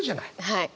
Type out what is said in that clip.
はい。